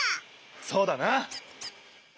そうだな！